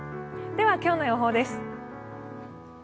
今日の予報です。